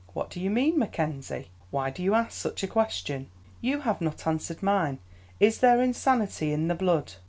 "What do you mean, Mackenzie? Why do you ask such a question?" "You have not answered mine. Is there insanity in the blood?"